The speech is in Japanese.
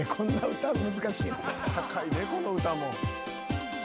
高いでこの歌も。